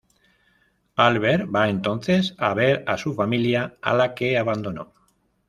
Albert va entonces a ver a su familia, a la que abandonó.